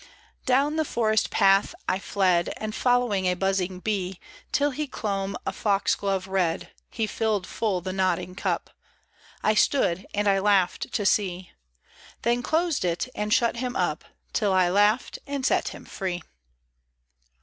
DOWN the forest path I fled. And followed a buzzing bee. Till he clomb a foxglove red. He filled full the nodding cup ; I stood and I laughed to see ; Then closed it and shut him up. Till I laughed and set him free.